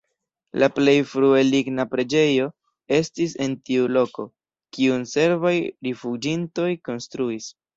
La plej frue ligna preĝejo estis en tiu loko, kiun serbaj rifuĝintoj konstruis.